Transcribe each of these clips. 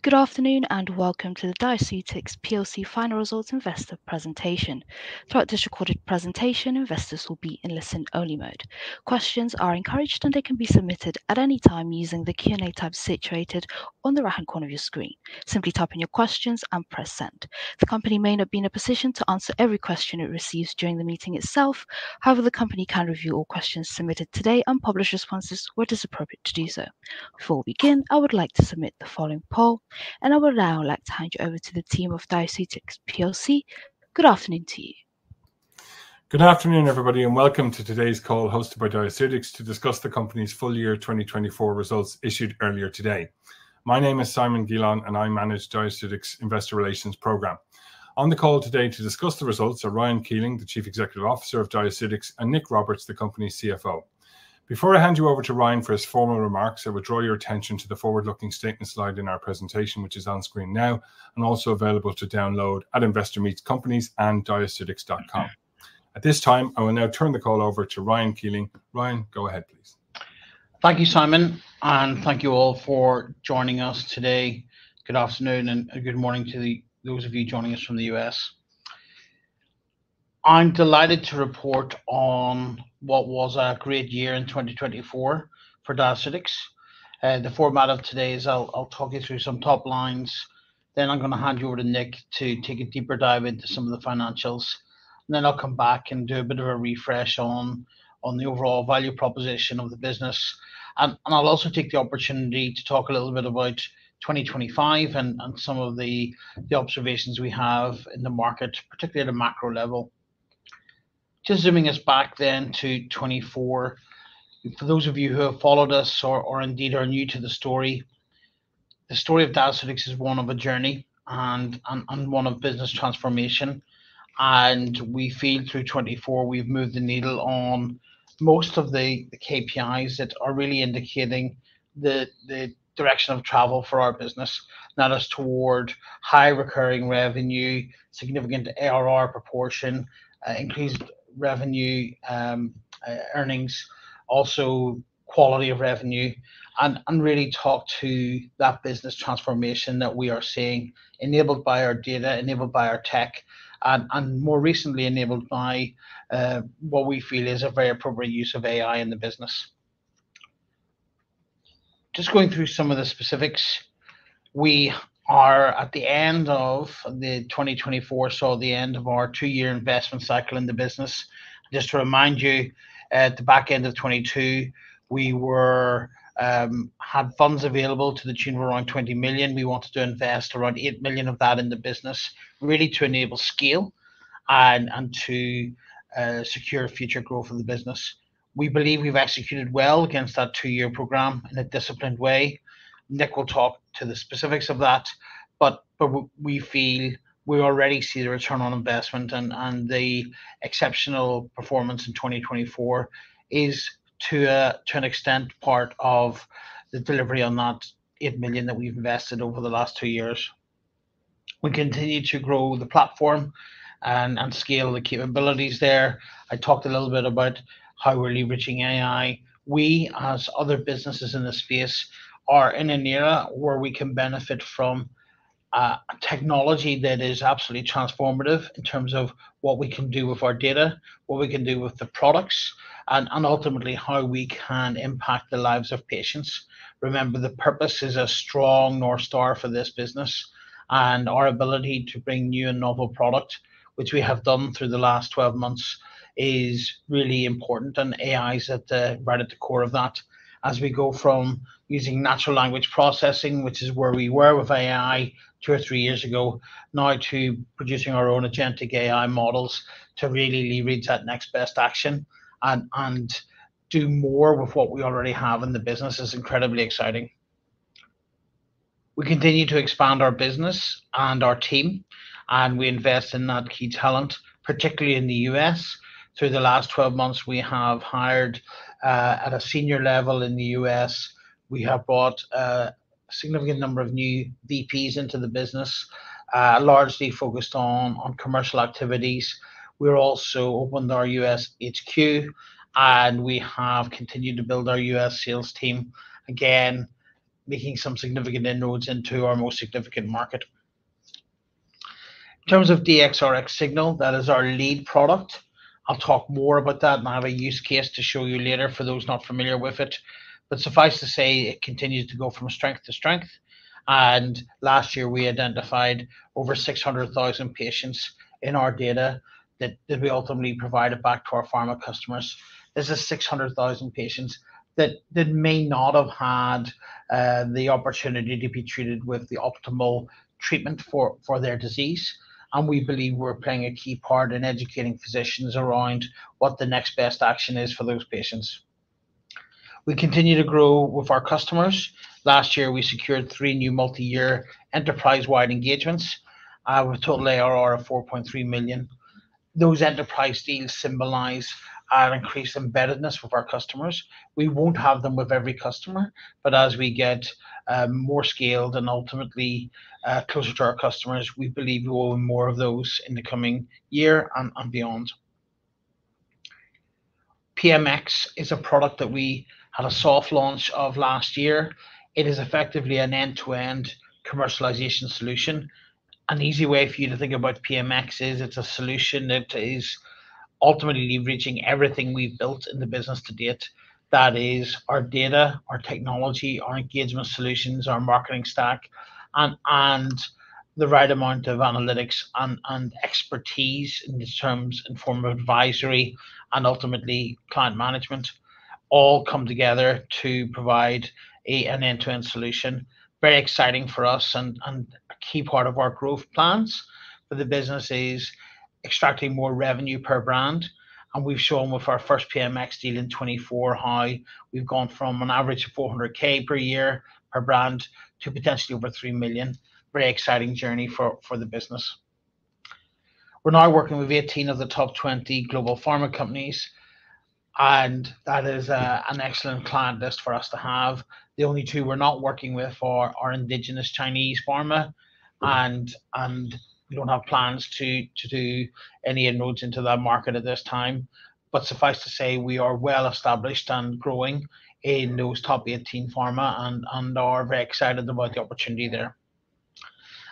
Good afternoon and welcome to the Diaceutics final results investor presentation. Throughout this recorded presentation, investors will be in listen-only mode. Questions are encouraged, and they can be submitted at any time using the Q&A tab situated on the right-hand corner of your screen. Simply type in your questions and press send. The company may not be in a position to answer every question it receives during the meeting itself. However, the company can review all questions submitted today and publish responses where it is appropriate to do so. Before we begin, I would like to submit the following poll, and I would now like to hand you over to the team of Diaceutics PLC. Good afternoon to you. Good afternoon, everybody, and welcome to today's call hosted by Diaceutics to discuss the company's full year 2024 results issued earlier today. My name is Simon Gillan, and I manage Diaceutics' investor relations program. On the call today to discuss the results are Ryan Keeling, the Chief Executive Officer of Diaceutics, and Nick Roberts, the company's CFO. Before I hand you over to Ryan for his formal remarks, I would draw your attention to the forward-looking statement slide in our presentation, which is on screen now and also available to download at investormeetcompaniesanddiaceutics.com. At this time, I will now turn the call over to Ryan Keeling. Ryan, go ahead, please. Thank you, Simon, and thank you all for joining us today. Good afternoon and good morning to those of you joining us from the US. I'm delighted to report on what was a great year in 2024 for Diaceutics. The format of today is I'll talk you through some top lines, then I'm going to hand you over to Nick to take a deeper dive into some of the financials, and then I'll come back and do a bit of a refresh on the overall value proposition of the business. I'll also take the opportunity to talk a little bit about 2025 and some of the observations we have in the market, particularly at a macro level. Just zooming us back then to 2024, for those of you who have followed us or indeed are new to the story, the story of Diaceutics is one of a journey and one of business transformation. We feel through 2024, we have moved the needle on most of the KPIs that are really indicating the direction of travel for our business, that is, toward high recurring revenue, significant ARR proportion, increased revenue earnings, also quality of revenue, and really talk to that business transformation that we are seeing enabled by our data, enabled by our tech, and more recently enabled by what we feel is a very appropriate use of AI in the business. Just going through some of the specifics, we are at the end of 2024, so the end of our two-year investment cycle in the business. Just to remind you, at the back end of 2022, we had funds available to the tune of around 20 million. We wanted to invest around 8 million of that in the business, really to enable scale and to secure future growth of the business. We believe we've executed well against that two-year program in a disciplined way. Nick will talk to the specifics of that, but we feel we already see the return on investment, and the exceptional performance in 2024 is, to an extent, part of the delivery on that 8 million that we've invested over the last two years. We continue to grow the platform and scale the capabilities there. I talked a little bit about how we're leveraging AI. We, as other businesses in the space, are in an era where we can benefit from technology that is absolutely transformative in terms of what we can do with our data, what we can do with the products, and ultimately how we can impact the lives of patients. Remember, the purpose is a strong North Star for this business, and our ability to bring new and novel products, which we have done through the last 12 months, is really important, and AI is right at the core of that. As we go from using natural language processing, which is where we were with AI two or three years ago, now to producing our own agentic AI models to really leverage that next best action and do more with what we already have in the business is incredibly exciting. We continue to expand our business and our team, and we invest in that key talent, particularly in the U.S. Through the last 12 months, we have hired at a senior level in the U.S. We have brought a significant number of new VPs into the business, largely focused on commercial activities. We're also open to our U.S. HQ, and we have continued to build our U.S. sales team, again, making some significant inroads into our most significant market. In terms of DXRX Signal, that is our lead product. I'll talk more about that, and I have a use case to show you later for those not familiar with it. Suffice to say, it continues to go from strength-to-strength. Last year, we identified over 600,000 patients in our data that we ultimately provided back to our pharma customers. This is 600,000 patients that may not have had the opportunity to be treated with the optimal treatment for their disease. We believe we're playing a key part in educating physicians around what the next best action is for those patients. We continue to grow with our customers. Last year, we secured three new multi-year enterprise-wide engagements with a total ARR of 4.3 million. Those enterprise deals symbolize our increased embeddedness with our customers. We won't have them with every customer, but as we get more scaled and ultimately closer to our customers, we believe we will own more of those in the coming year and beyond. PMx is a product that we had a soft launch of last year. It is effectively an end-to-end commercialization solution. An easy way for you to think about PMx is it's a solution that is ultimately leveraging everything we've built in the business to date. That is our data, our technology, our engagement solutions, our marketing stack, and the right amount of analytics and expertise in terms of informal advisory and ultimately client management all come together to provide an end-to-end solution. Very exciting for us and a key part of our growth plans for the business is extracting more revenue per brand. We've shown with our first PMx deal in 2024 how we've gone from an average of 400,000 per year per brand to potentially over 3 million. Very exciting journey for the business. We're now working with 18 of the top 20 global pharma companies, and that is an excellent client list for us to have. The only two we're not working with are indigenous Chinese pharma, and we don't have plans to do any inroads into that market at this time. Suffice to say, we are well established and growing in those top 18 pharma and are very excited about the opportunity there.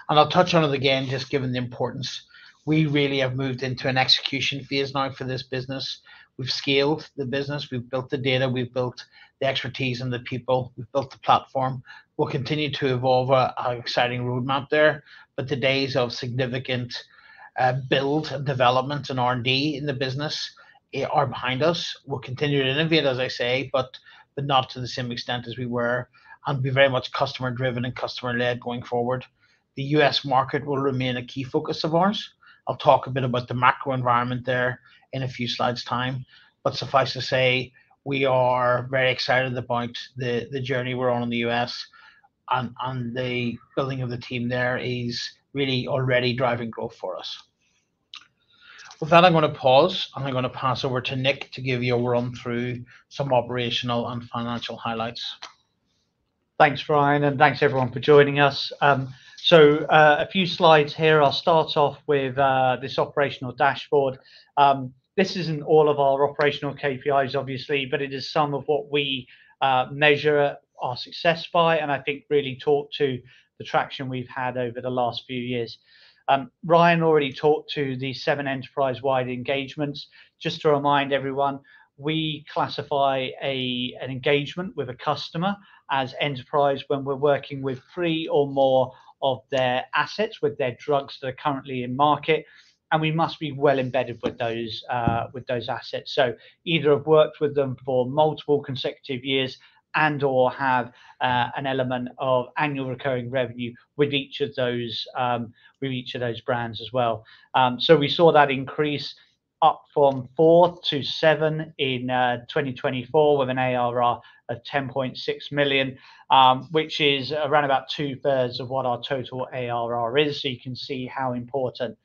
I'll touch on it again, just given the importance. We really have moved into an execution phase now for this business. We've scaled the business. We've built the data. We've built the expertise and the people. We've built the platform. We'll continue to evolve our exciting roadmap there. The days of significant build and development and R&D in the business are behind us. We'll continue to innovate, as I say, but not to the same extent as we were. We're very much customer-driven and customer-led going forward. The U.S. market will remain a key focus of ours. I'll talk a bit about the macro environment there in a few slides' time. Suffice to say, we are very excited about the journey we're on in the U.S., and the building of the team there is really already driving growth for us. With that, I'm going to pause, and I'm going to pass over to Nick to give you a run-through of some operational and financial highlights. Thanks, Ryan, and thanks, everyone, for joining us. A few slides here. I'll start off with this operational dashboard. This isn't all of our operational KPIs, obviously, but it is some of what we measure our success by, and I think really talk to the traction we've had over the last few years. Ryan already talked to the seven enterprise-wide engagements. Just to remind everyone, we classify an engagement with a customer as enterprise when we're working with three or more of their assets, with their drugs that are currently in market, and we must be well embedded with those assets. Either have worked with them for multiple consecutive years and/or have an element of annual recurring revenue with each of those brands as well. We saw that increase up from four to seven in 2024 with an ARR of 10.6 million, which is around about two-thirds of what our total ARR is. You can see how important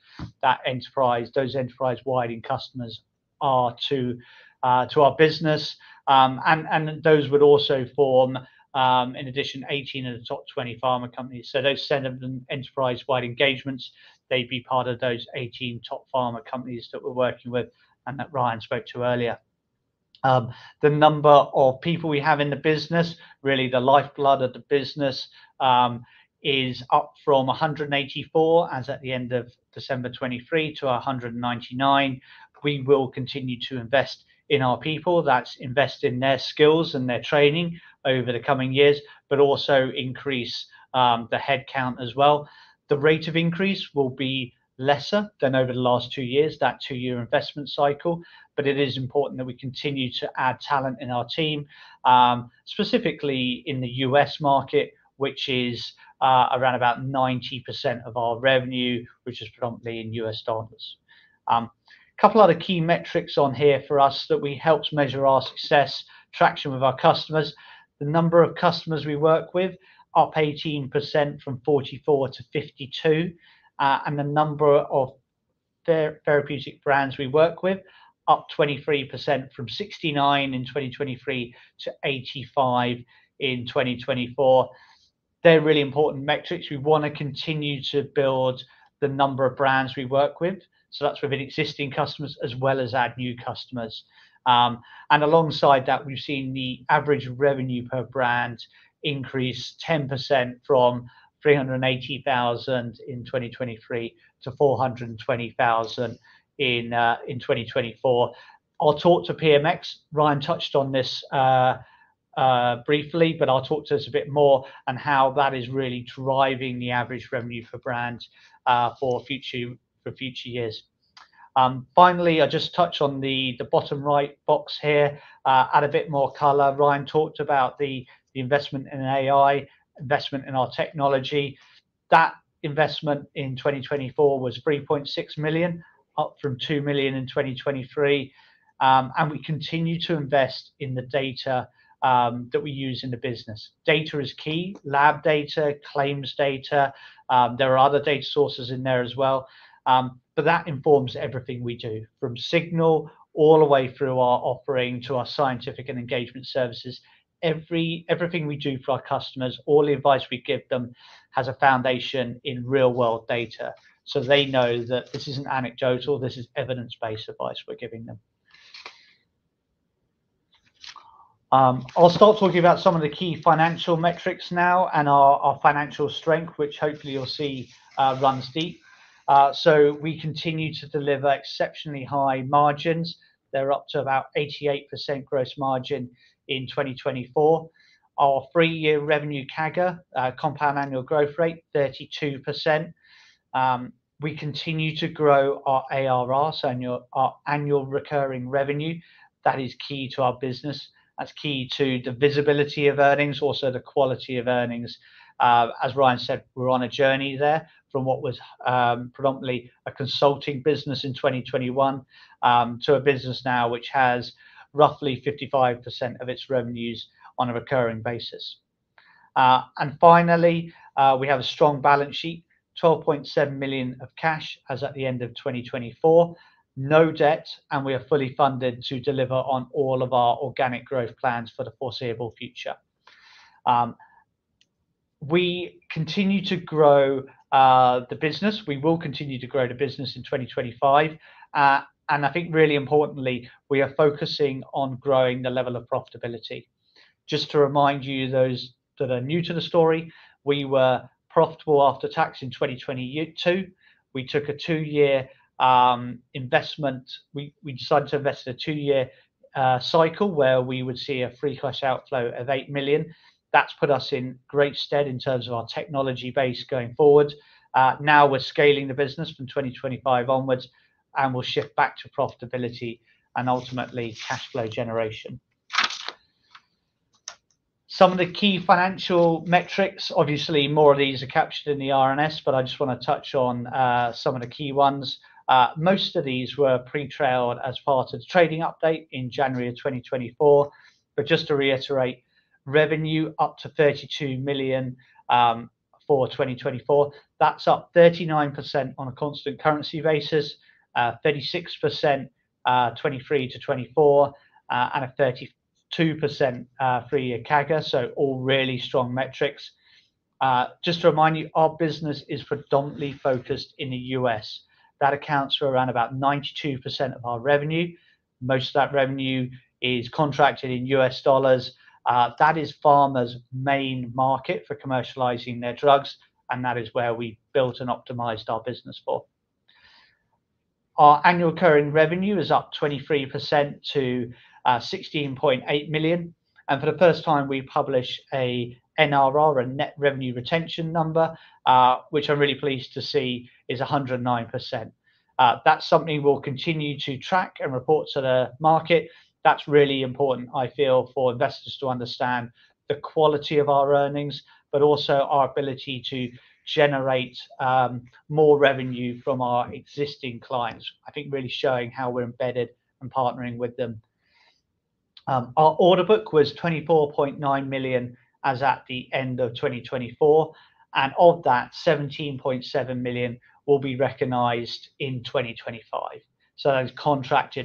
those enterprise-wide customers are to our business. Those would also form, in addition, 18 of the top 20 pharma companies. Those seven enterprise-wide engagements, they'd be part of those 18 top pharma companies that we're working with and that Ryan spoke to earlier. The number of people we have in the business, really the lifeblood of the business, is up from 184, as at the end of December 2023, to 199. We will continue to invest in our people. That's invest in their skills and their training over the coming years, but also increase the headcount as well. The rate of increase will be lesser than over the last two years, that two-year investment cycle, but it is important that we continue to add talent in our team, specifically in the U.S. market, which is around about 90% of our revenue, which is predominantly in U.S. dollars. A couple of other key metrics on here for us that helps measure our success, traction with our customers. The number of customers we work with, up 18% from 44 to 52, and the number of therapeutic brands we work with, up 23% from 69 in 2023 to 85 in 2024. They're really important metrics. We want to continue to build the number of brands we work with. That is within existing customers as well as add new customers. Alongside that, we've seen the average revenue per brand increase 10% from 380,000 in 2023 to 420,000 in 2024. I'll talk to PMx. Ryan touched on this briefly, but I'll talk to us a bit more and how that is really driving the average revenue for brands for future years. Finally, I'll just touch on the bottom right box here, add a bit more color. Ryan talked about the investment in AI, investment in our technology. That investment in 2024 was 3.6 million, up from 2 million in 2023. We continue to invest in the data that we use in the business. Data is key. Lab data, claims data. There are other data sources in there as well. That informs everything we do, from Signal all the way through our offering to our scientific and engagement services. Everything we do for our customers, all the advice we give them has a foundation in real-world data. They know that this isn't anecdotal. This is evidence-based advice we're giving them. I'll start talking about some of the key financial metrics now and our financial strength, which hopefully you'll see runs deep. We continue to deliver exceptionally high margins. They're up to about 88% gross margin in 2024. Our three-year revenue CAGR, compound annual growth rate, 32%. We continue to grow our ARR, so our annual recurring revenue. That is key to our business. That's key to the visibility of earnings, also the quality of earnings. As Ryan said, we're on a journey there from what was predominantly a consulting business in 2021 to a business now which has roughly 55% of its revenues on a recurring basis. Finally, we have a strong balance sheet, GPB 12.7 million of cash as at the end of 2024, no debt, and we are fully funded to deliver on all of our organic growth plans for the foreseeable future. We continue to grow the business. We will continue to grow the business in 2025. I think really importantly, we are focusing on growing the level of profitability. Just to remind you, those that are new to the story, we were profitable after tax in 2022. We took a two-year investment. We decided to invest in a two-year cycle where we would see a free cash outflow of 8 million. That has put us in great stead in terms of our technology base going forward. Now we are scaling the business from 2025 onwards, and we will shift back to profitability and ultimately cash flow generation. Some of the key financial metrics, obviously, more of these are captured in the R&S, but I just want to touch on some of the key ones. Most of these were pre-trailed as part of the trading update in January of 2024. Just to reiterate, revenue up to $32 million for 2024. That's up 39% on a constant currency basis, 36% 2023 to 2024, and a 32% three-year CAGR. All really strong metrics. Just to remind you, our business is predominantly focused in the U.S. That accounts for around about 92% of our revenue. Most of that revenue is contracted in U.S. dollars. That is pharma's main market for commercializing their drugs, and that is where we built and optimized our business for. Our annual recurring revenue is up 23% to $16.8 million. For the first time, we publish an NRR, a net revenue retention number, which I'm really pleased to see is 109%. That's something we'll continue to track and report to the market. That's really important, I feel, for investors to understand the quality of our earnings, but also our ability to generate more revenue from our existing clients. I think really showing how we're embedded and partnering with them. Our order book was 24.9 million as at the end of 2024. Of that, 17.7 million will be recognized in 2025. That is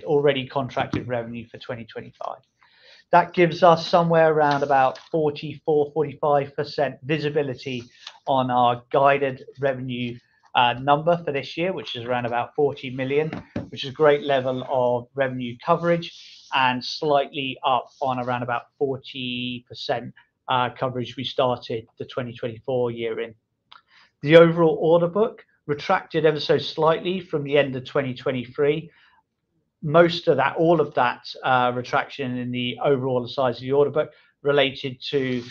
already contracted revenue for 2025. That gives us somewhere around 44-45% visibility on our guided revenue number for this year, which is around 40 million, which is a great level of revenue coverage and slightly up on around 40% coverage we started the 2024 year in. The overall order book retracted ever so slightly from the end of 2023. Most of that, all of that retraction in the overall size of the order book related to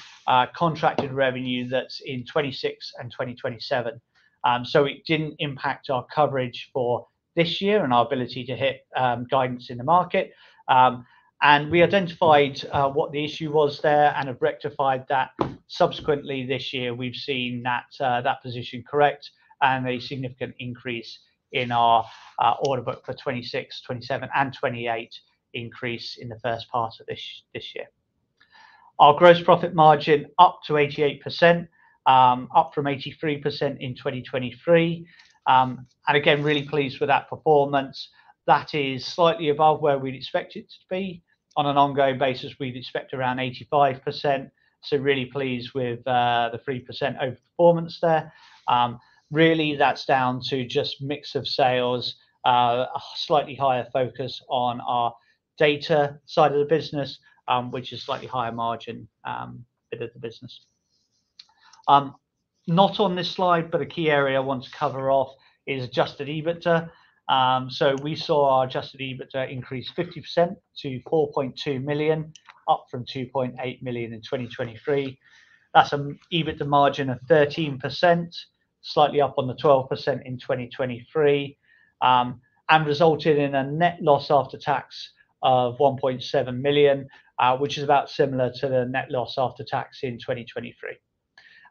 contracted revenue that's in 2026 and 2027. It did not impact our coverage for this year and our ability to hit guidance in the market. We identified what the issue was there and have rectified that. Subsequently, this year, we've seen that position correct and a significant increase in our order book for 2026, 2027, and 2028 increase in the first part of this year. Our gross profit margin up to 88%, up from 83% in 2023. Again, really pleased with that performance. That is slightly above where we'd expect it to be. On an ongoing basis, we'd expect around 85%. Really pleased with the 3% over performance there. Really, that's down to just mix of sales, a slightly higher focus on our data side of the business, which is slightly higher margin bit of the business. Not on this slide, but a key area I want to cover off is adjusted EBITDA. So we saw our adjusted EBITDA increase 50% to 4.2 million, up from 2.8 million in 2023. That's an EBITDA margin of 13%, slightly up on the 12% in 2023, and resulted in a net loss after tax of 1.7 million, which is about similar to the net loss after tax in 2023.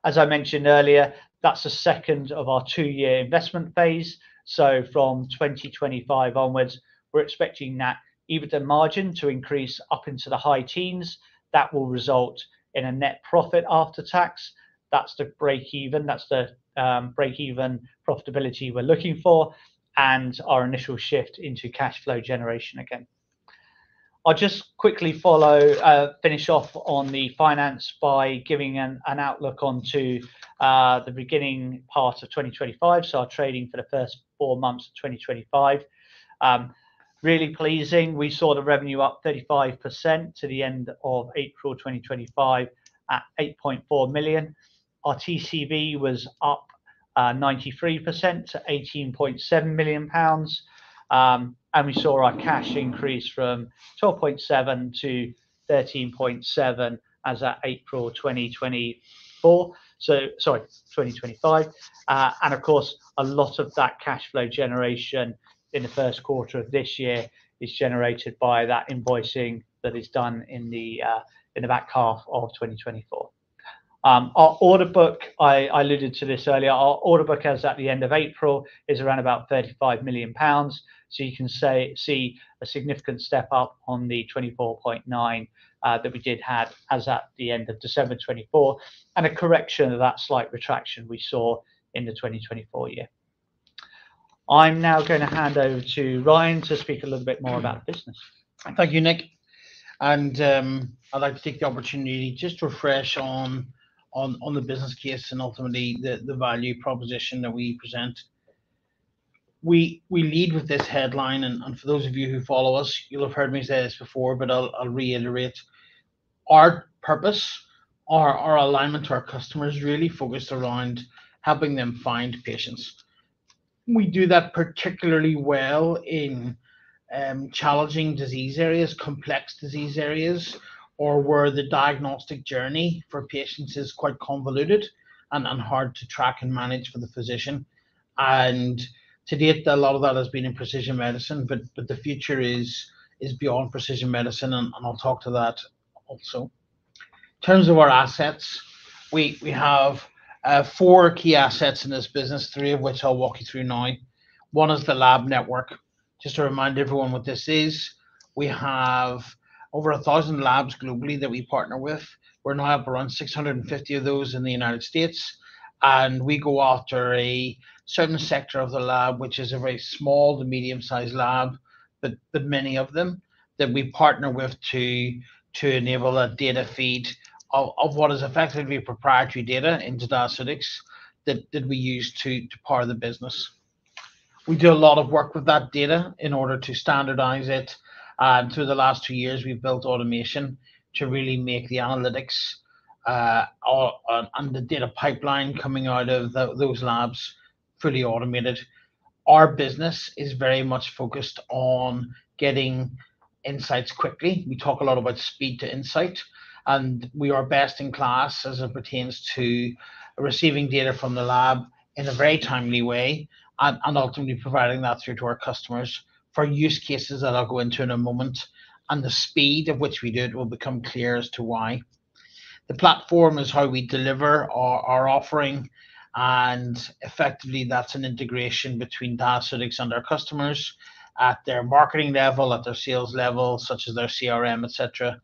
As I mentioned earlier, that's the second of our two-year investment phase. From 2025 onwards, we're expecting that EBITDA margin to increase up into the high teens. That will result in a net profit after tax. That's the break-even. That's the break-even profitability we're looking for and our initial shift into cash flow generation again. I'll just quickly finish off on the finance by giving an outlook onto the beginning part of 2025. Our trading for the first four months of 2025, really pleasing. We saw the revenue up 35% to the end of April 2025 at 8.4 million. Our TCV was up 93% to 18.7 million pounds. We saw our cash increase from 12.7 million to 13.7 million as at April 2025. Of course, a lot of that cash flow generation in the first quarter of this year is generated by that invoicing that is done in the back half of 2024. Our order book, I alluded to this earlier, our order book as at the end of April is around about 35 million pounds. You can see a significant step up on the 24.9 that we did have as at the end of December 2024 and a correction of that slight retraction we saw in the 2024 year. I'm now going to hand over to Ryan to speak a little bit more about the business. Thank you, Nick. I'd like to take the opportunity just to refresh on the business case and ultimately the value proposition that we present. We lead with this headline. For those of you who follow us, you'll have heard me say this before, but I'll reiterate. Our purpose, our alignment to our customers is really focused around helping them find patients. We do that particularly well in challenging disease areas, complex disease areas, or where the diagnostic journey for patients is quite convoluted and hard to track and manage for the physician. To date, a lot of that has been in precision medicine, but the future is beyond precision medicine, and I'll talk to that also. In terms of our assets, we have four key assets in this business, three of which I'll walk you through now. One is the lab network. Just to remind everyone what this is, we have over 1,000 labs globally that we partner with. We're now up around 650 of those in the United States. We go after a certain sector of the lab, which is a very small to medium-sized lab, but many of them that we partner with to enable a data feed of what is effectively proprietary data into Diaceutics that we use to power the business. We do a lot of work with that data in order to standardize it. Through the last two years, we've built automation to really make the analytics and the data pipeline coming out of those labs fully automated. Our business is very much focused on getting insights quickly. We talk a lot about speed to insight. We are best in class as it pertains to receiving data from the lab in a very timely way and ultimately providing that through to our customers for use cases that I'll go into in a moment. The speed at which we do it will become clear as to why. The platform is how we deliver our offering. Effectively, that's an integration between Diaceutics and our customers at their marketing level, at their sales level, such as their CRM, etc.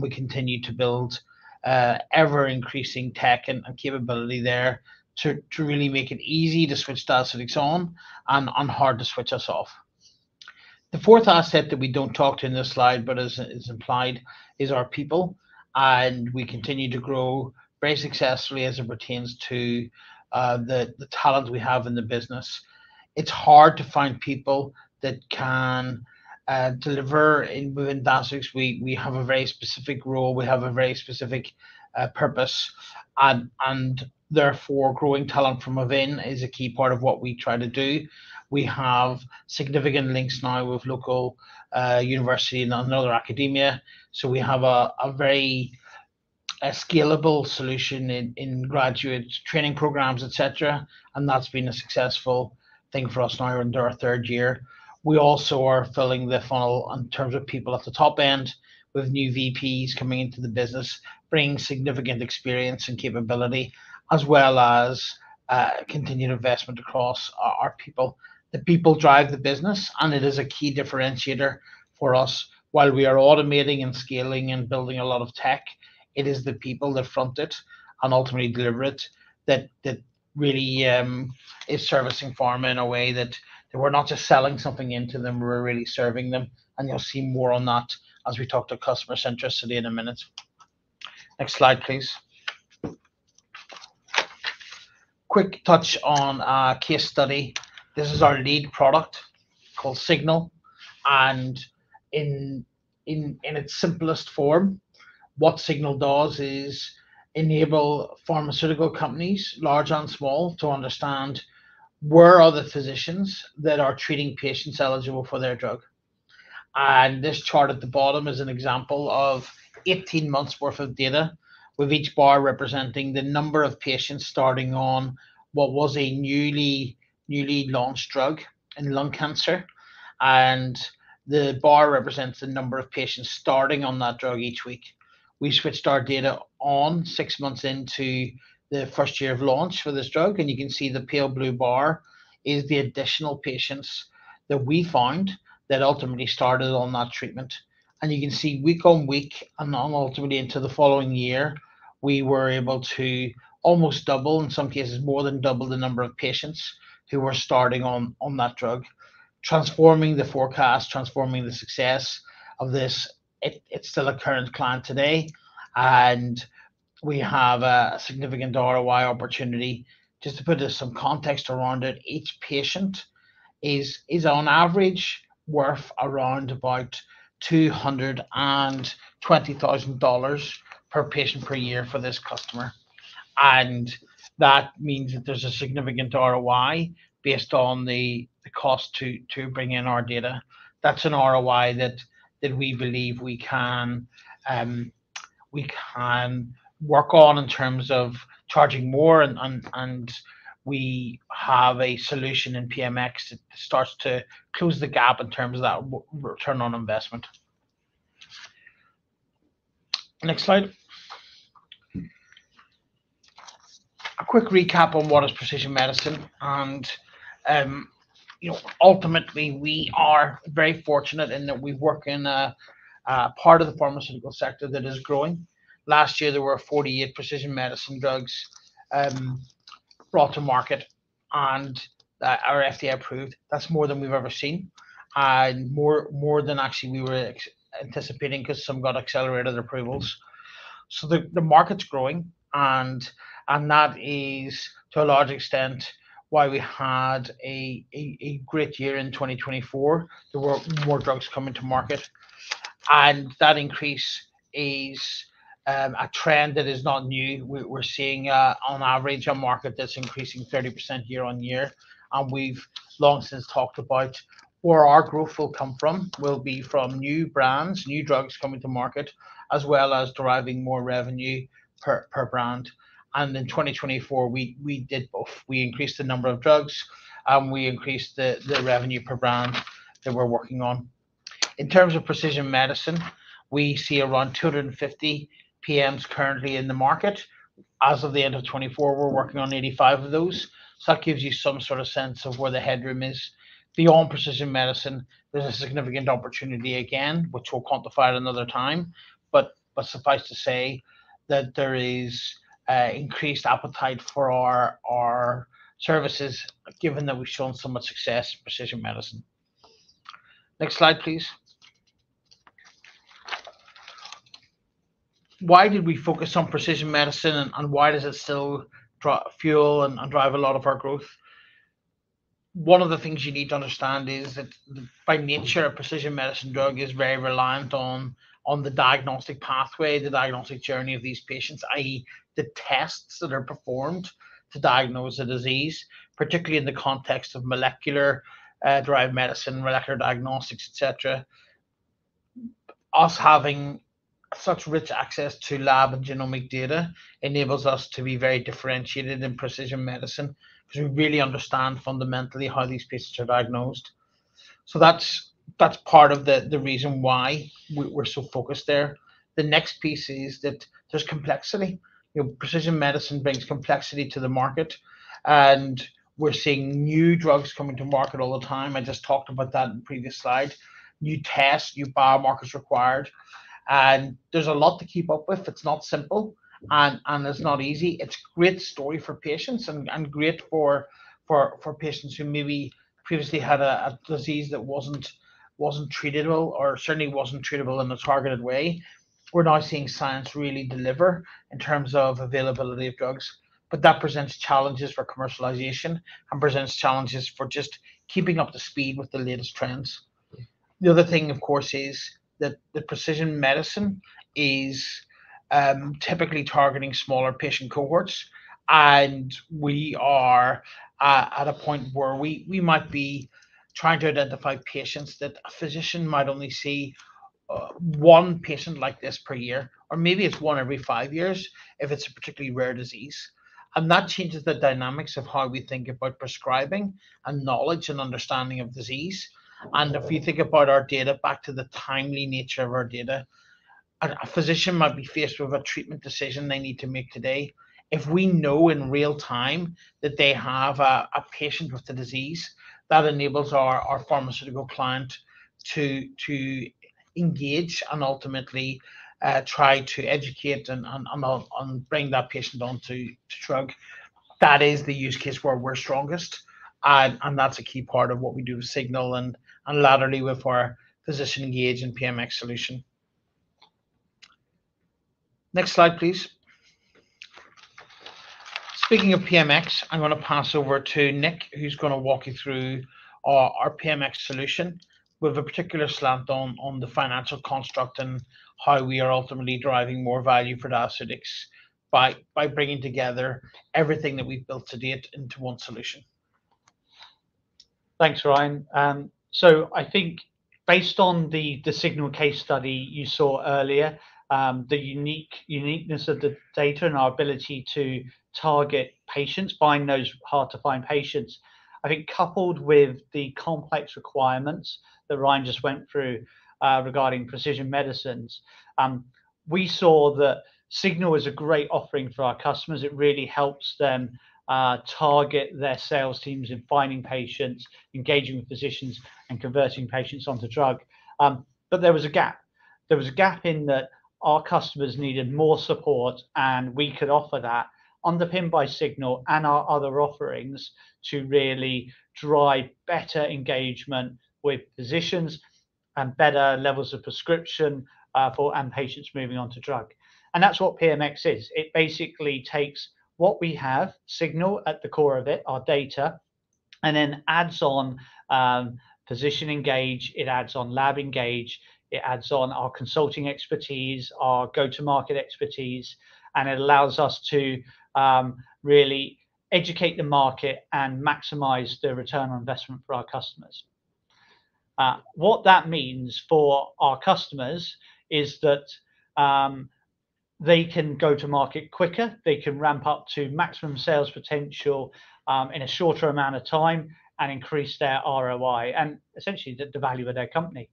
We continue to build ever-increasing tech and capability there to really make it easy to switch Diaceutics on and hard to switch us off. The fourth asset that we do not talk to in this slide, but is implied, is our people. We continue to grow very successfully as it pertains to the talent we have in the business. It is hard to find people that can deliver within Diaceutics. We have a very specific role. We have a very specific purpose. Therefore, growing talent from within is a key part of what we try to do. We have significant links now with local university and other academia. We have a very scalable solution in graduate training programs, etc. That has been a successful thing for us now into our third year. We also are filling the funnel in terms of people at the top end with new VPs coming into the business, bringing significant experience and capability, as well as continued investment across our people. The people drive the business, and it is a key differentiator for us. While we are automating and scaling and building a lot of tech, it is the people that front it and ultimately deliver it that really is servicing pharma in a way that we're not just selling something into them. We're really serving them. You will see more on that as we talk to customer center study in a minute. Next slide, please. Quick touch on a case study. This is our lead product called Signal. In its simplest form, what Signal does is enable pharmaceutical companies, large and small, to understand where are the physicians that are treating patients eligible for their drug. This chart at the bottom is an example of 18 months' worth of data, with each bar representing the number of patients starting on what was a newly launched drug in lung cancer. The bar represents the number of patients starting on that drug each week. We switched our data on six months into the first year of launch for this drug. You can see the pale blue bar is the additional patients that we found that ultimately started on that treatment. You can see week on week, and ultimately into the following year, we were able to almost double, in some cases, more than double the number of patients who were starting on that drug. Transforming the forecast, transforming the success of this, it's still a current client today. We have a significant ROI opportunity. Just to put some context around it, each patient is, on average, worth around about GBP 220,000 per patient per year for this customer. That means that there's a significant ROI based on the cost to bring in our data. That's an ROI that we believe we can work on in terms of charging more. We have a solution in PMx that starts to close the gap in terms of that return on investment. Next slide. A quick recap on what is precision medicine. Ultimately, we are very fortunate in that we work in a part of the pharmaceutical sector that is growing. Last year, there were 48 precision medicine drugs brought to market and RST approved. That's more than we've ever seen. More than actually we were anticipating because some got accelerated approvals. The market's growing. That is, to a large extent, why we had a great year in 2024. There were more drugs coming to market. That increase is a trend that is not new. We're seeing, on average, a market that's increasing 30% year on year. We've long since talked about where our growth will come from will be from new brands, new drugs coming to market, as well as deriving more revenue per brand. In 2024, we did both. We increased the number of drugs, and we increased the revenue per brand that we're working on. In terms of precision medicine, we see around 250 PMs currently in the market. As of the end of 2024, we're working on 85 of those. That gives you some sort of sense of where the headroom is. Beyond precision medicine, there's a significant opportunity again, which we'll quantify at another time. Suffice to say that there is increased appetite for our services, given that we've shown so much success in precision medicine. Next slide, please. Why did we focus on precision medicine, and why does it still fuel and drive a lot of our growth? One of the things you need to understand is that by nature, a precision medicine drug is very reliant on the diagnostic pathway, the diagnostic journey of these patients, i.e., the tests that are performed to diagnose a disease, particularly in the context of molecular-derived medicine, molecular diagnostics, etc. Us having such rich access to lab and genomic data enables us to be very differentiated in precision medicine because we really understand fundamentally how these patients are diagnosed. That's part of the reason why we're so focused there. The next piece is that there's complexity. Precision medicine brings complexity to the market. We're seeing new drugs coming to market all the time. I just talked about that in the previous slide. New tests, new biomarkers required. There's a lot to keep up with. It's not simple, and it's not easy. It's a great story for patients and great for patients who maybe previously had a disease that wasn't treatable or certainly wasn't treatable in a targeted way. We're now seeing science really deliver in terms of availability of drugs. That presents challenges for commercialization and presents challenges for just keeping up the speed with the latest trends. The other thing, of course, is that precision medicine is typically targeting smaller patient cohorts. We are at a point where we might be trying to identify patients that a physician might only see one patient like this per year, or maybe it's one every five years if it's a particularly rare disease. That changes the dynamics of how we think about prescribing and knowledge and understanding of disease. If you think about our data, back to the timely nature of our data, a physician might be faced with a treatment decision they need to make today. If we know in real time that they have a patient with the disease, that enables our pharmaceutical client to engage and ultimately try to educate and bring that patient onto drug. That is the use case where we're strongest. That's a key part of what we do with Signal and laterally with our physician-engaged and PMx solution. Next slide, please. Speaking of PMx, I'm going to pass over to Nick, who's going to walk you through our PMx solution with a particular slant on the financial construct and how we are ultimately driving more value for Diaceutics by bringing together everything that we've built to date into one solution. Thanks, Ryan. I think based on the Signal case study you saw earlier, the uniqueness of the data and our ability to target patients, find those hard-to-find patients, I think coupled with the complex requirements that Ryan just went through regarding precision medicines, we saw that Signal was a great offering for our customers. It really helps them target their sales teams in finding patients, engaging with physicians, and converting patients onto drug. There was a gap. There was a gap in that our customers needed more support, and we could offer that, underpinned by Signal and our other offerings, to really drive better engagement with physicians and better levels of prescription and patients moving on to drug. That is what PMx is. It basically takes what we have, Signal at the core of it, our data, and then adds on physician-engage. It adds on lab-engage. It adds on our consulting expertise, our go-to-market expertise, and it allows us to really educate the market and maximize the return on investment for our customers. What that means for our customers is that they can go to market quicker. They can ramp up to maximum sales potential in a shorter amount of time and increase their ROI and essentially the value of their company.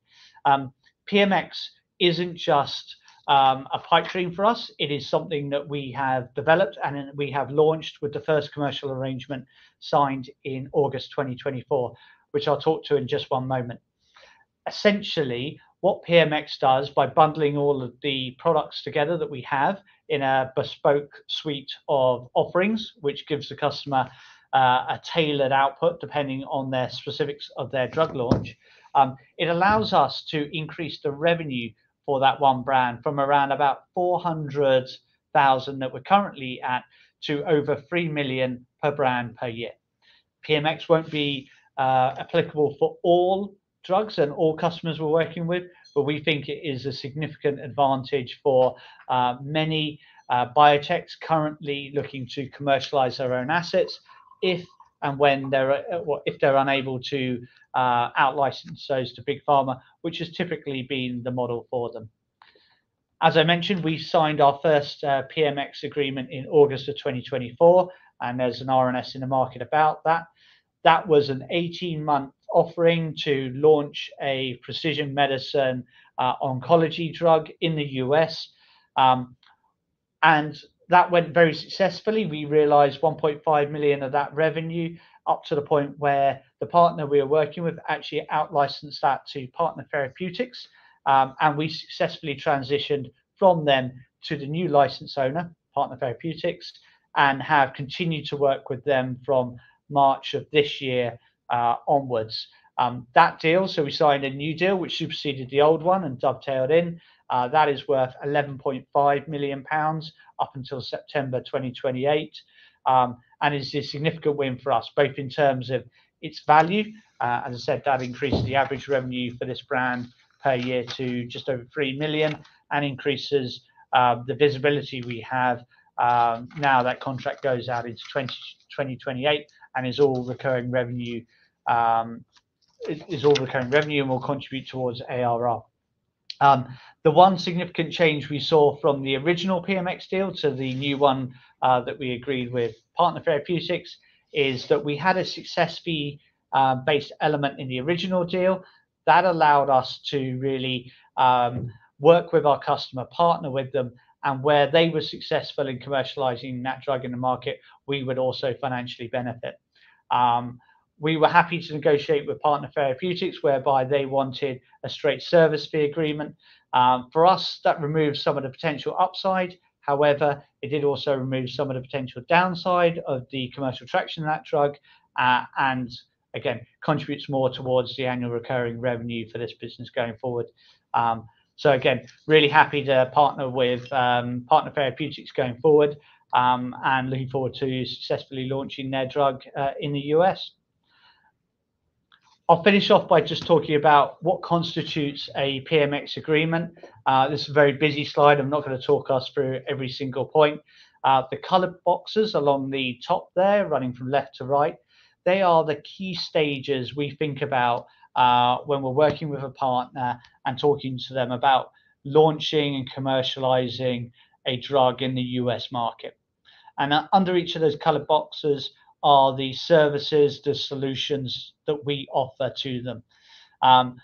PMx is not just a pipe dream for us. It is something that we have developed, and we have launched with the first commercial arrangement signed in August 2024, which I'll talk to in just one moment. Essentially, what PMx does by bundling all of the products together that we have in a bespoke suite of offerings, which gives the customer a tailored output depending on the specifics of their drug launch, it allows us to increase the revenue for that one brand from around about 400,000 that we're currently at to over 3 million per brand per year. PMx won't be applicable for all drugs and all customers we're working with, but we think it is a significant advantage for many biotechs currently looking to commercialize their own assets if and when they're unable to out-license those to big pharma, which has typically been the model for them. As I mentioned, we signed our first PMx agreement in August of 2024, and there's an RNS in the market about that. That was an 18-month offering to launch a precision medicine oncology drug in the U.S. That went very successfully. We realized 1.5 million of that revenue up to the point where the partner we were working with actually out-licensed that to Partner Therapeutics. We successfully transitioned from them to the new license owner, Partner Therapeutics, and have continued to work with them from March of this year onwards. That deal, we signed a new deal which superseded the old one and dovetailed in. That is worth 11.5 million pounds up until September 2028 and is a significant win for us, both in terms of its value. As I said, that increased the average revenue for this brand per year to just over 3 million and increases the visibility we have now that contract goes out into 2028 and is all recurring revenue and will contribute towards ARR. The one significant change we saw from the original PMx deal to the new one that we agreed with Partner Therapeutics is that we had a success fee-based element in the original deal that allowed us to really work with our customer, partner with them. Where they were successful in commercializing that drug in the market, we would also financially benefit. We were happy to negotiate with Partner Therapeutics, whereby they wanted a straight service fee agreement. For us, that removed some of the potential upside. However, it did also remove some of the potential downside of the commercial traction of that drug and, again, contributes more towards the annual recurring revenue for this business going forward. Again, really happy to partner with Partner Therapeutics going forward and looking forward to successfully launching their drug in the U.S. I'll finish off by just talking about what constitutes a PMx agreement. This is a very busy slide. I'm not going to talk us through every single point. The colored boxes along the top there, running from left to right, they are the key stages we think about when we're working with a partner and talking to them about launching and commercializing a drug in the U.S. market. Under each of those colored boxes are the services, the solutions that we offer to them.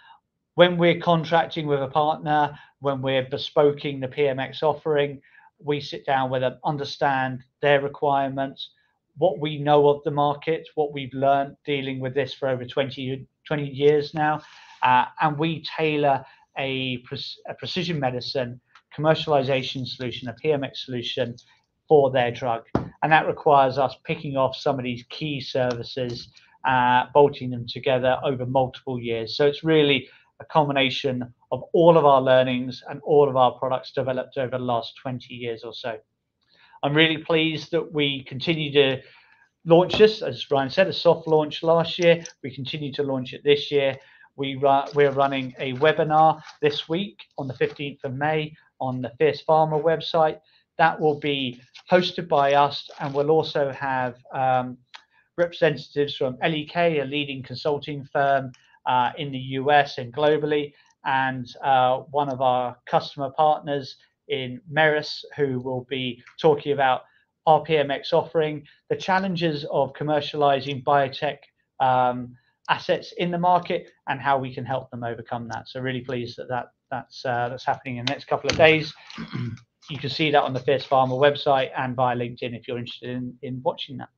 When we're contracting with a partner, when we're bespoking the PMx offering, we sit down with them, understand their requirements, what we know of the market, what we've learned dealing with this for over 20 years now. We tailor a precision medicine commercialization solution, a PMx solution for their drug. That requires us picking off some of these key services, bolting them together over multiple years. It is really a combination of all of our learnings and all of our products developed over the last 20 years or so. I'm really pleased that we continue to launch this. As Ryan said, a soft launch last year. We continue to launch it this year. We're running a webinar this week on the 15th of May on the Fierce Pharma website. That will be hosted by us. We will also have representatives from LEK, a leading consulting firm in the U.S. and globally, and one of our customer partners in Meris, who will be talking about our PMx offering, the challenges of commercializing biotech assets in the market, and how we can help them overcome that. I am really pleased that is happening in the next couple of days. You can see that on the Fierce Pharma website and via LinkedIn if you are interested in watching that.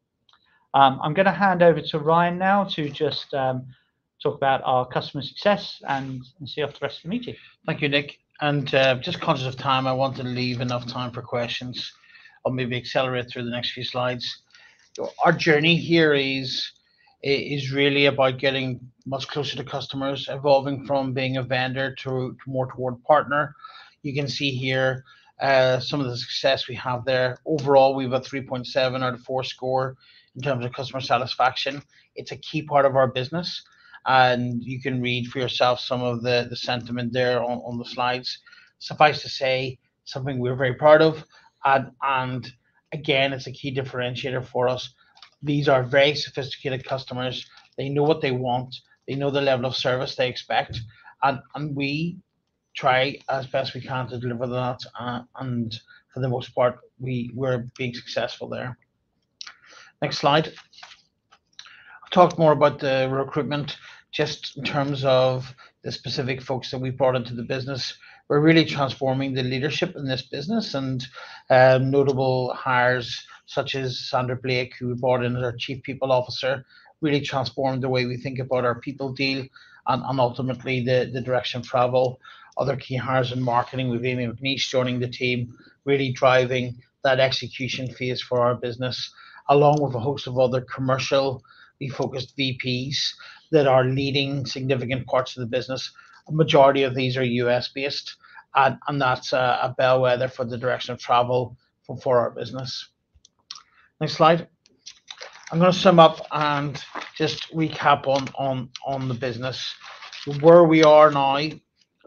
I am going to hand over to Ryan now to just talk about our customer success and see you after the rest of the meeting. Thank you, Nick. Just conscious of time, I want to leave enough time for questions. I will maybe accelerate through the next few slides. Our journey here is really about getting much closer to customers, evolving from being a vendor to more toward partner. You can see here some of the success we have there. Overall, we have a 3.7 out of 4 score in terms of customer satisfaction. It is a key part of our business. You can read for yourself some of the sentiment there on the slides. Suffice to say, something we are very proud of. It is a key differentiator for us. These are very sophisticated customers. They know what they want. They know the level of service they expect. We try as best we can to deliver that. For the most part, we are being successful there. Next slide. I will talk more about the recruitment just in terms of the specific folks that we brought into the business. We are really transforming the leadership in this business. Notable hires such as Sandra Blake, who we brought in as our Chief People Officer, really transformed the way we think about our people deal and ultimately the direction of travel. Other key hires in marketing with Amy McNeese joining the team, really driving that execution phase for our business, along with a host of other commercially focused VPs that are leading significant parts of the business. A majority of these are U.S.-based. That is a bellwether for the direction of travel for our business. Next slide. I'm going to sum up and just recap on the business. Where we are now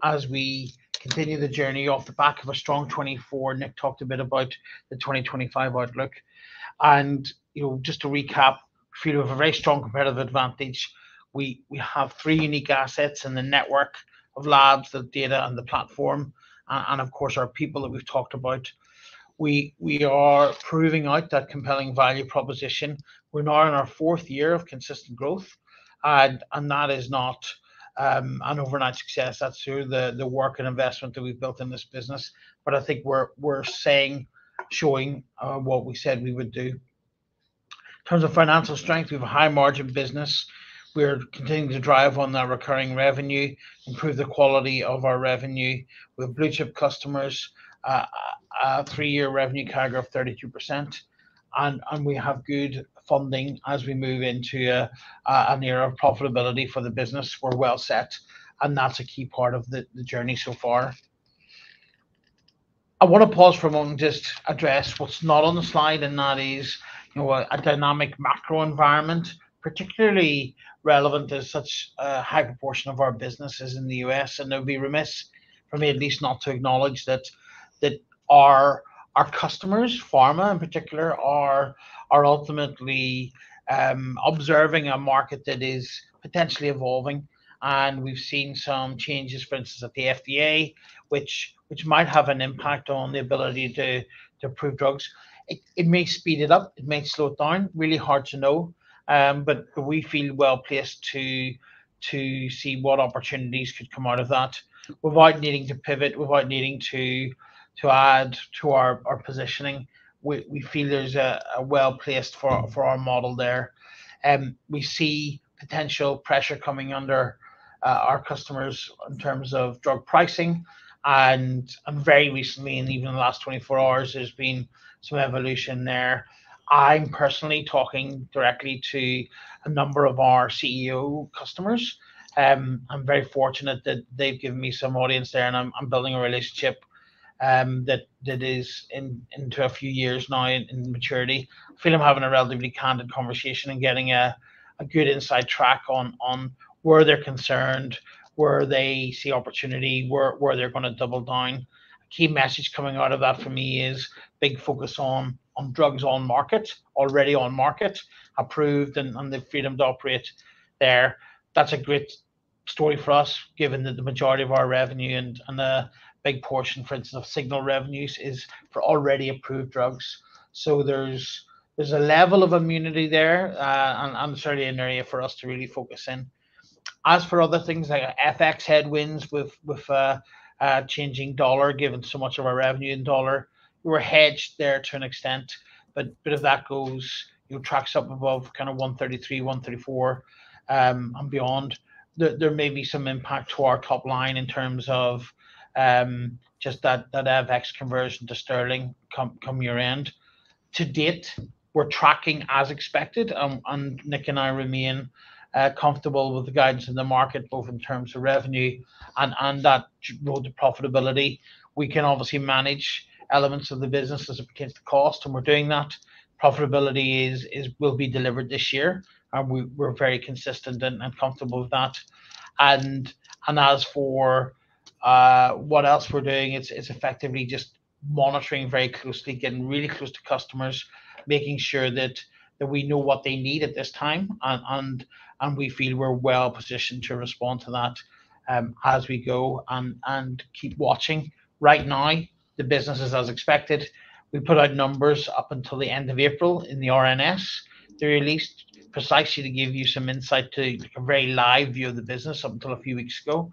as we continue the journey off the back of a strong 2024. Nick talked a bit about the 2025 outlook. Just to recap, we have a very strong competitive advantage. We have three unique assets in the network of labs, the data, and the platform, and of course, our people that we've talked about. We are proving out that compelling value proposition. We're now in our fourth year of consistent growth. That is not an overnight success. That's through the work and investment that we've built in this business. I think we're showing what we said we would do. In terms of financial strength, we have a high-margin business. We're continuing to drive on our recurring revenue, improve the quality of our revenue. We have blue-chip customers, a three-year revenue carryover of 32%. We have good funding as we move into an era of profitability for the business. We're well set. That's a key part of the journey so far. I want to pause for a moment to just address what's not on the slide, and that is a dynamic macro environment, particularly relevant to such a high proportion of our business is in the U.S. I'll be remiss for me at least not to acknowledge that our customers, pharma in particular, are ultimately observing a market that is potentially evolving. We've seen some changes, for instance, at the FDA, which might have an impact on the ability to approve drugs. It may speed it up. It may slow it down. Really hard to know. We feel well placed to see what opportunities could come out of that without needing to pivot, without needing to add to our positioning. We feel there's a well-placed for our model there. We see potential pressure coming under our customers in terms of drug pricing. Very recently, and even in the last 24 hours, there's been some evolution there. I'm personally talking directly to a number of our CEO customers. I'm very fortunate that they've given me some audience there, and I'm building a relationship that is into a few years now in maturity. I feel I'm having a relatively candid conversation and getting a good inside track on where they're concerned, where they see opportunity, where they're going to double down. A key message coming out of that for me is big focus on drugs on market, already on market, approved, and the freedom to operate there. That's a great story for us, given that the majority of our revenue and a big portion, for instance, of Signal revenues is for already approved drugs. There is a level of immunity there, and certainly an area for us to really focus in. As for other things like FX headwinds with changing dollar, given so much of our revenue in dollar, we're hedged there to an extent. If that goes, your tracks up above kind of 133, 134, and beyond, there may be some impact to our top line in terms of just that FX conversion to sterling come year-end. To date, we're tracking as expected. Nick and I remain comfortable with the guidance of the market, both in terms of revenue and that road to profitability. We can obviously manage elements of the business as it pertains to cost, and we're doing that. Profitability will be delivered this year. We're very consistent and comfortable with that. As for what else we're doing, it's effectively just monitoring very closely, getting really close to customers, making sure that we know what they need at this time. We feel we're well positioned to respond to that as we go and keep watching. Right now, the business is as expected. We put out numbers up until the end of April in the RNS. They're released precisely to give you some insight to a very live view of the business up until a few weeks ago.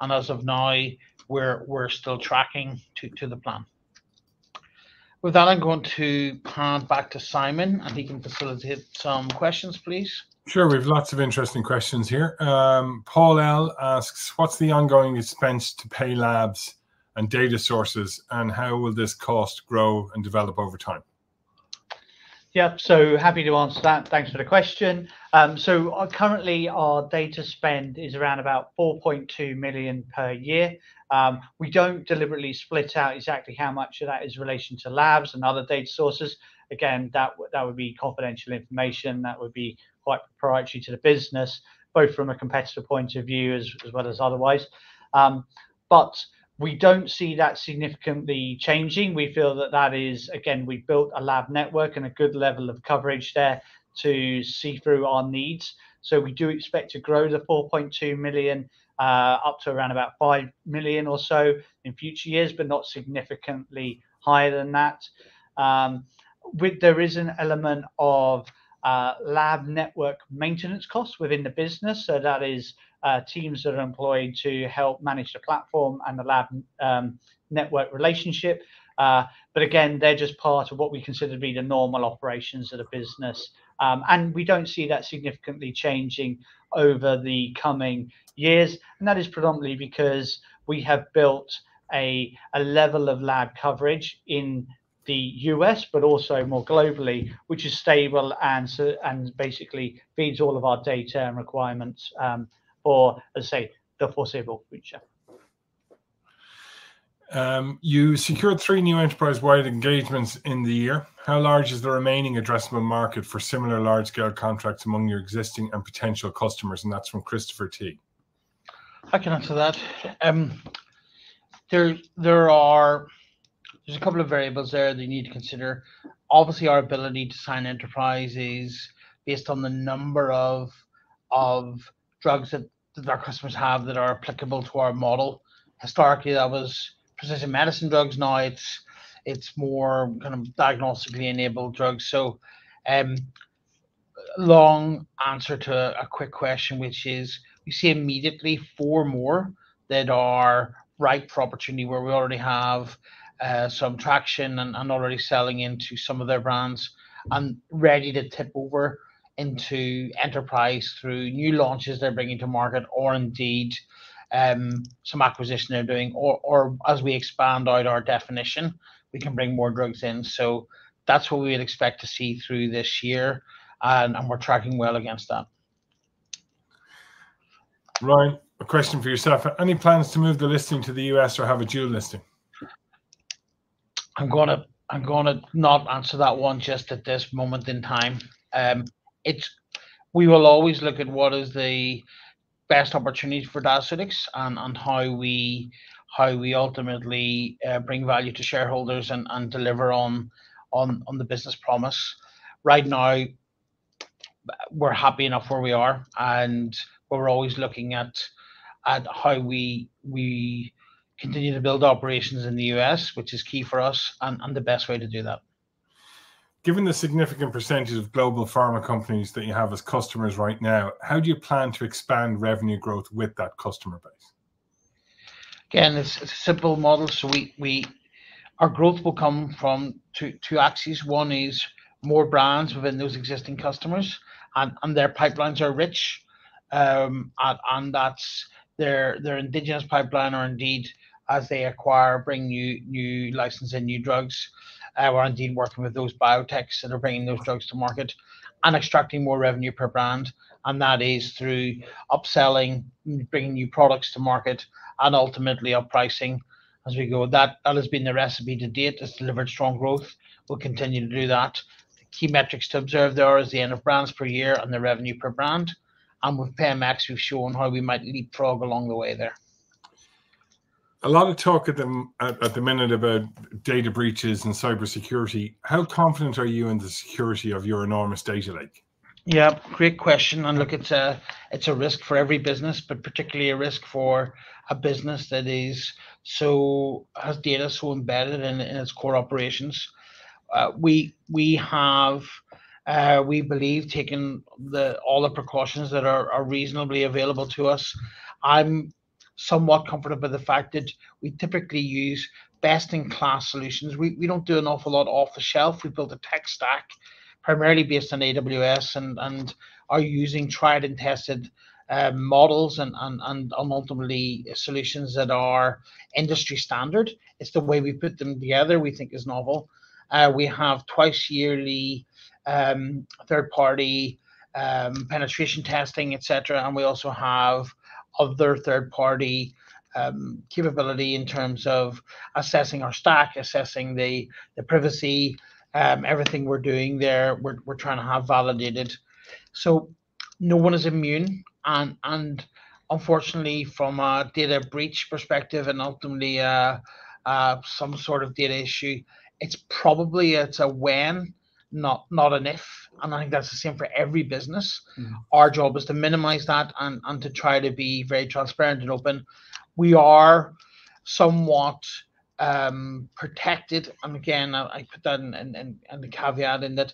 As of now, we're still tracking to the plan. With that, I'm going to hand back to Simon, and he can facilitate some questions, please. Sure. We have lots of interesting questions here. Paul L asks, "What's the ongoing expense to pay labs and data sources, and how will this cost grow and develop over time?" Yeah. Happy to answer that. Thanks for the question. Currently, our data spend is around about 4.2 million per year. We do not deliberately split out exactly how much of that is in relation to labs and other data sources. Again, that would be confidential information. That would be quite proprietary to the business, both from a competitive point of view as well as otherwise. We do not see that significantly changing. We feel that that is, again, we have built a lab network and a good level of coverage there to see through our needs. We do expect to grow the 4.2 million up to around about 5 million or so in future years, but not significantly higher than that. There is an element of lab network maintenance costs within the business. That is teams that are employed to help manage the platform and the lab network relationship. Again, they are just part of what we consider to be the normal operations of the business. We do not see that significantly changing over the coming years. That is predominantly because we have built a level of lab coverage in the U.S., but also more globally, which is stable and basically feeds all of our data and requirements for, as I say, the foreseeable future. You secured three new enterprise-wide engagements in the year. How large is the remaining addressable market for similar large-scale contracts among your existing and potential customers? That is from Christopher T. I can answer that. There are a couple of variables there that you need to consider. Obviously, our ability to sign enterprises is based on the number of drugs that our customers have that are applicable to our model. Historically, that was precision medicine drugs. Now, it is more kind of diagnostically enabled drugs. Long answer to a quick question, which is we see immediately four more that are ripe for opportunity where we already have some traction and already selling into some of their brands and ready to tip over into enterprise through new launches they're bringing to market or indeed some acquisition they're doing. As we expand out our definition, we can bring more drugs in. That's what we would expect to see through this year. We're tracking well against that. Ryan, a question for yourself. Any plans to move the listing to the U.S. or have a dual listing? I'm going to not answer that one just at this moment in time. We will always look at what is the best opportunity for Diaceutics and how we ultimately bring value to shareholders and deliver on the business promise. Right now, we're happy enough where we are. We are always looking at how we continue to build operations in the U.S., which is key for us and the best way to do that. Given the significant percentage of global pharma companies that you have as customers right now, how do you plan to expand revenue growth with that customer base? Again, it is a simple model. Our growth will come from two axes. One is more brands within those existing customers, and their pipelines are rich. That is their indigenous pipeline or indeed, as they acquire, bring new licenses and new drugs. We are indeed working with those biotechs that are bringing those drugs to market and extracting more revenue per brand. That is through upselling, bringing new products to market, and ultimately uppricing as we go. That has been the recipe to date. It has delivered strong growth. We will continue to do that. Key metrics to observe there are the end of brands per year and the revenue per brand. With PMx, we've shown how we might leapfrog along the way there. A lot of talk at the minute about data breaches and cybersecurity. How confident are you in the security of your enormous data leak? Yeah. Great question. Look, it's a risk for every business, but particularly a risk for a business that has data so embedded in its core operations. We have, we believe, taken all the precautions that are reasonably available to us. I'm somewhat comfortable with the fact that we typically use best-in-class solutions. We do not do an awful lot off the shelf. We built a tech stack primarily based on AWS and are using tried-and-tested models and ultimately solutions that are industry standard. It's the way we put them together, we think, is novel. We have twice-yearly third-party penetration testing, etc. We also have other third-party capability in terms of assessing our stack, assessing the privacy. Everything we're doing there, we're trying to have validated. No one is immune. Unfortunately, from a data breach perspective and ultimately some sort of data issue, it's probably a when, not an if. I think that's the same for every business. Our job is to minimize that and to try to be very transparent and open. We are somewhat protected. I put that caveat in that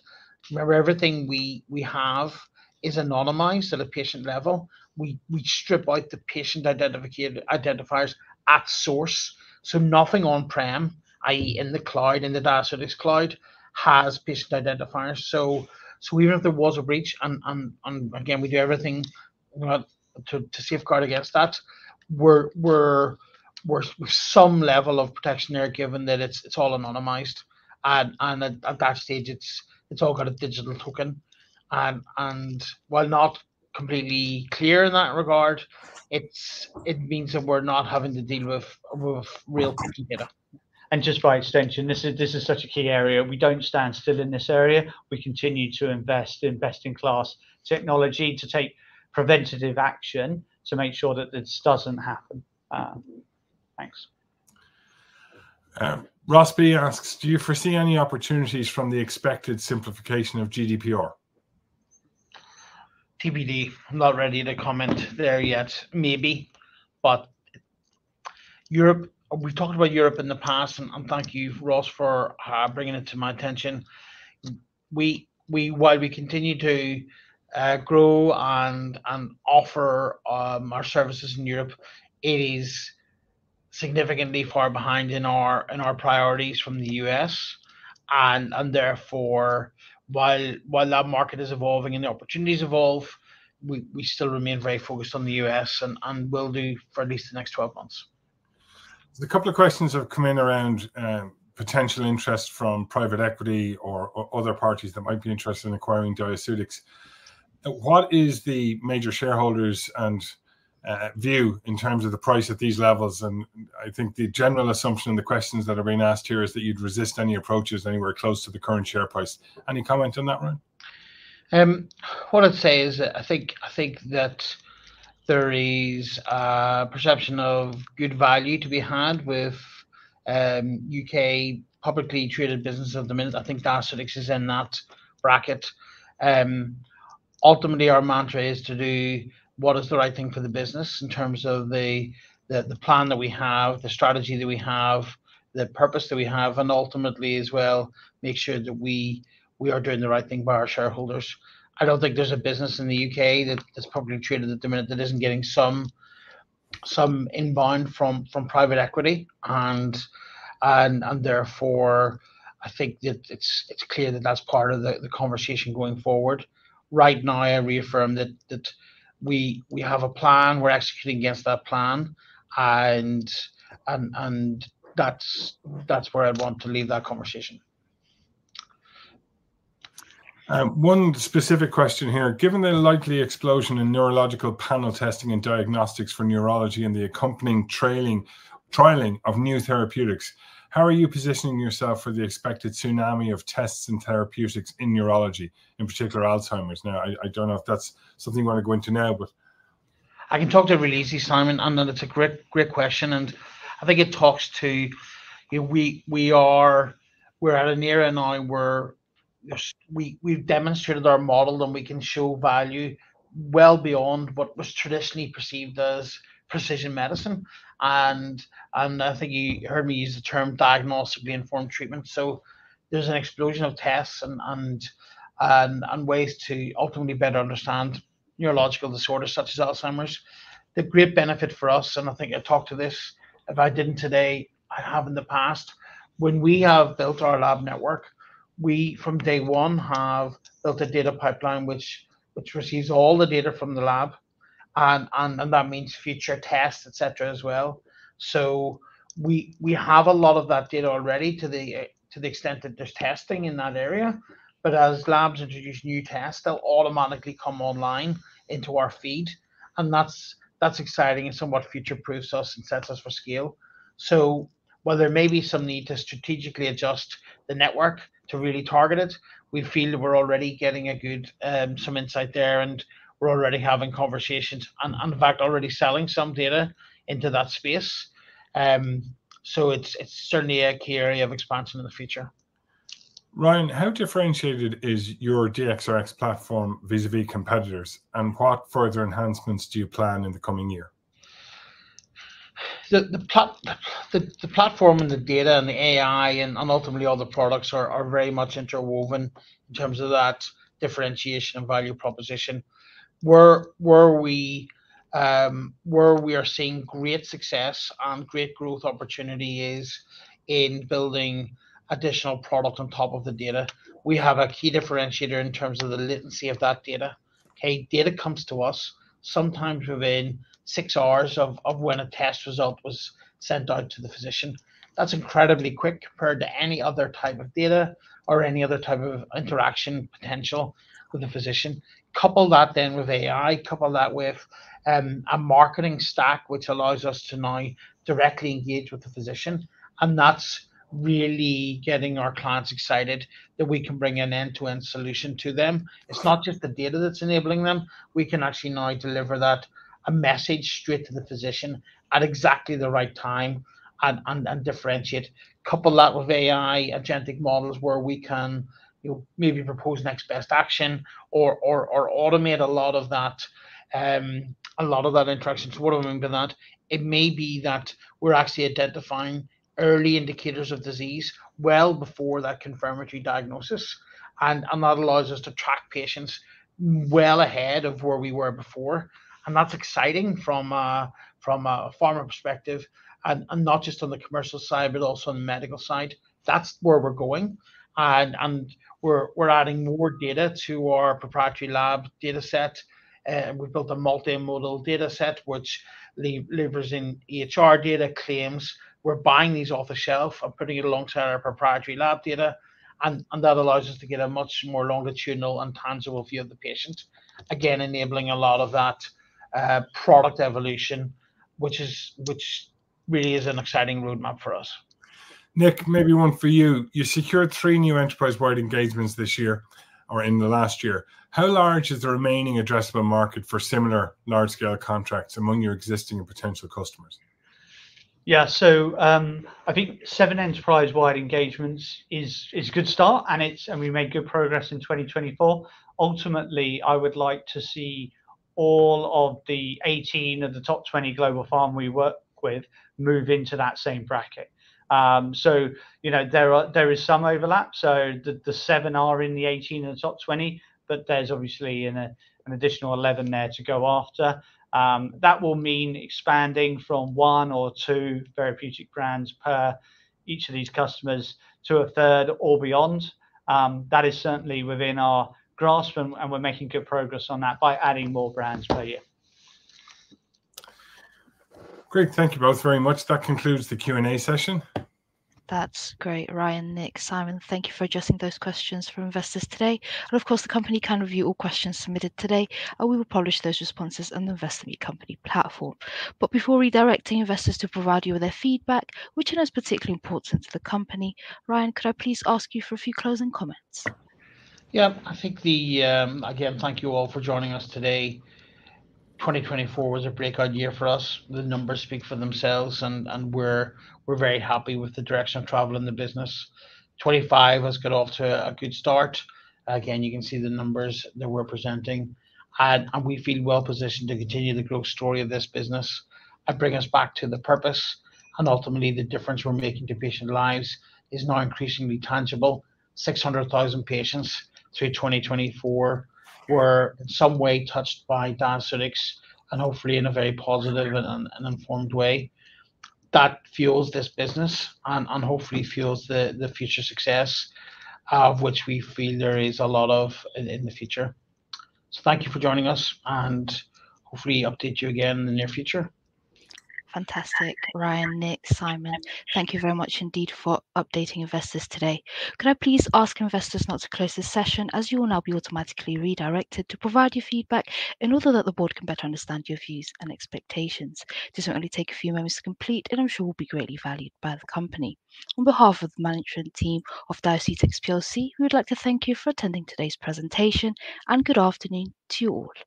everything we have is anonymized at a patient level. We strip out the patient identifiers at source. Nothing on-prem, i.e., in the cloud, in the Diaceutics cloud, has patient identifiers. Even if there was a breach, and again, we do everything to safeguard against that, we're some level of protection there given that it's all anonymized. At that stage, it's all got a digital token. While not completely clear in that regard, it means that we're not having to deal with real patient data. Just by extension, this is such a key area. We don't stand still in this area. We continue to invest in best-in-class technology to take preventative action to make sure that this doesn't happen. Thanks. Rosby asks, "Do you foresee any opportunities from the expected simplification of GDPR?" TBD. I'm not ready to comment there yet. Maybe. We've talked about Europe in the past. Thank you, Ros, for bringing it to my attention. While we continue to grow and offer our services in Europe, it is significantly far behind in our priorities from the U.S. Therefore, while that market is evolving and the opportunities evolve, we still remain very focused on the U.S. and will do for at least the next 12 months. There's a couple of questions that have come in around potential interest from private equity or other parties that might be interested in acquiring Diaceutics. What is the major shareholders' view in terms of the price at these levels? I think the general assumption in the questions that are being asked here is that you'd resist any approaches anywhere close to the current share price. Any comment on that, Ryan? What I'd say is I think that there is a perception of good value to be had with U.K. publicly traded business at the minute. I think Diaceutics is in that bracket. Ultimately, our mantra is to do what is the right thing for the business in terms of the plan that we have, the strategy that we have, the purpose that we have, and ultimately as well, make sure that we are doing the right thing by our shareholders. I do not think there is a business in the U.K. that is publicly traded at the minute that is not getting some inbound from private equity. Therefore, I think that it is clear that that is part of the conversation going forward. Right now, I reaffirm that we have a plan. We are executing against that plan. That is where I would want to leave that conversation. One specific question here. Given the likely explosion in neurological panel testing and diagnostics for neurology and the accompanying trialing of new therapeutics, how are you positioning yourself for the expected tsunami of tests and therapeutics in neurology, in particular Alzheimer's? Now, I don't know if that's something you want to go into now, but. I can talk to it really easily, Simon. It's a great question. I think it talks to we are at an era now where we've demonstrated our model, and we can show value well beyond what was traditionally perceived as precision medicine. I think you heard me use the term diagnostically informed treatment. There's an explosion of tests and ways to ultimately better understand neurological disorders such as Alzheimer's. The great benefit for us, and I think I talked to this if I didn't today, I have in the past. When we have built our lab network, we from day one have built a data pipeline which receives all the data from the lab. That means future tests, etc., as well. We have a lot of that data already to the extent that there's testing in that area. As labs introduce new tests, they'll automatically come online into our feed. That is exciting and somewhat future-proofs us and sets us for scale. While there may be some need to strategically adjust the network to really target it, we feel we're already getting some insight there, and we're already having conversations and, in fact, already selling some data into that space. It is certainly a key area of expansion in the future. Ryan, how differentiated is your DXRX platform vis-à-vis competitors, and what further enhancements do you plan in the coming year? The platform and the data and the AI and ultimately other products are very much interwoven in terms of that differentiation and value proposition. Where we are seeing great success and great growth opportunity is in building additional product on top of the data. We have a key differentiator in terms of the latency of that data. Okay? Data comes to us sometimes within six hours of when a test result was sent out to the physician. That's incredibly quick compared to any other type of data or any other type of interaction potential with a physician. Couple that then with AI, couple that with a marketing stack which allows us to now directly engage with the physician. That is really getting our clients excited that we can bring an end-to-end solution to them. It's not just the data that's enabling them. We can actually now deliver that message straight to the physician at exactly the right time and differentiate. Couple that with AI agentic models where we can maybe propose next best action or automate a lot of that interaction. What do I mean by that? It may be that we're actually identifying early indicators of disease well before that confirmatory diagnosis. That allows us to track patients well ahead of where we were before. That's exciting from a pharma perspective, not just on the commercial side, but also on the medical side. That's where we're going. We're adding more data to our proprietary lab dataset. We've built a multimodal dataset which levers in EHR data claims. We're buying these off the shelf and putting it alongside our proprietary lab data. That allows us to get a much more longitudinal and tangible view of the patient. Again, enabling a lot of that product evolution, which really is an exciting roadmap for us. Nick, maybe one for you. You secured three new enterprise-wide engagements this year or in the last year. How large is the remaining addressable market for similar large-scale contracts among your existing and potential customers? Yeah. I think seven enterprise-wide engagements is a good start, and we made good progress in 2024. Ultimately, I would like to see all of the 18 of the top 20 global pharma we work with move into that same bracket. There is some overlap. The seven are in the 18 of the top 20, but there is obviously an additional 11 there to go after. That will mean expanding from one or two therapeutic brands per each of these customers to a third or beyond. That is certainly within our grasp, and we're making good progress on that by adding more brands per year. Great. Thank you both very much. That concludes the Q&A session. That's great. Ryan, Nick, Simon, thank you for addressing those questions for investors today. Of course, the company can review all questions submitted today, and we will publish those responses and invest in your company platform. Before redirecting investors to provide you with their feedback, which one is particularly important to the company? Ryan, could I please ask you for a few closing comments? Yeah. I think, again, thank you all for joining us today. 2024 was a breakout year for us. The numbers speak for themselves, and we're very happy with the direction of travel in the business. 2025 has got off to a good start. Again, you can see the numbers that we're presenting. We feel well-positioned to continue the growth story of this business. It brings us back to the purpose. Ultimately, the difference we're making to patient lives is now increasingly tangible. 600,000 patients through 2024 were in some way touched by Diaceutics, and hopefully in a very positive and informed way. That fuels this business and hopefully fuels the future success of which we feel there is a lot of in the future. Thank you for joining us, and hopefully update you again in the near future. Fantastic. Ryan, Nick, Simon, thank you very much indeed for updating investors today. Could I please ask investors not to close the session as you will now be automatically redirected to provide your feedback in order that the board can better understand your views and expectations? It really does take only a few moments to complete, and I'm sure it will be greatly valued by the company. On behalf of the management team of Diaceutics, we would like to thank you for attending today's presentation, and good afternoon to you all.